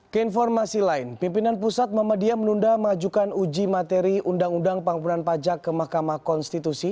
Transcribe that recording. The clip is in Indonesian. keinformasi lain pimpinan pusat muhammadiyah menunda mengajukan uji materi undang undang pengampunan pajak ke mahkamah konstitusi